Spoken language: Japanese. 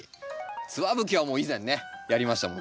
ツワブキはもう以前ねやりましたもん